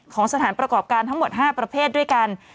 สถานประกอบการทั้งหมด๕ประเภทด้วยกัน